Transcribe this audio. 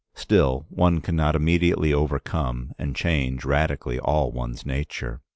Still one can not immediately overcome and change radically all one's nature.